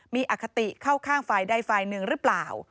มีอคติเข้าข้างฝ่ายใดฝ่ายหนึ่งหรือเปล่า